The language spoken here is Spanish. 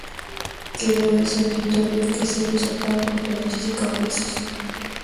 Quedó ese auditorio que se usa para conferencias y congresos.